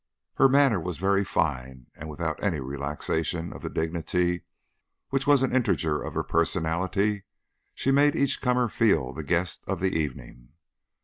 Her manner was very fine, and, without any relaxation of the dignity which was an integer of her personality, she made each comer feel the guest of the evening.